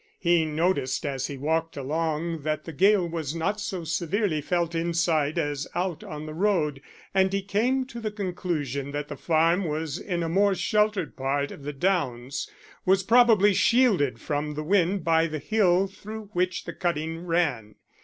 He noticed as he walked along that the gale was not so severely felt inside as out on the road, and he came to the conclusion that the farm was in a more sheltered part of the downs was probably shielded from the wind by the hill through which the cutting ran.